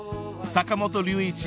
［坂本龍一。